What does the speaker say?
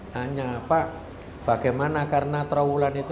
tanya pak bagaimana karena trawulan itu